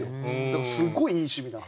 だからすごいいい趣味。